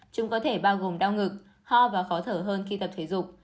chúng có thể bao gồm đau ngực ho và khó thở hơn khi tập thể dục